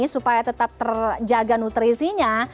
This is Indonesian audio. supaya tetap terjaga nutrisinya